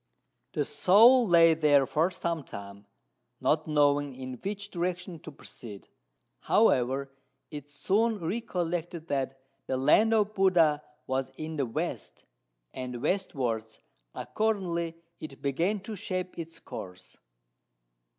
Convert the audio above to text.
The soul lay there for some time, not knowing in which direction to proceed; however, it soon recollected that the land of Buddha was in the west, and westwards accordingly it began to shape its course.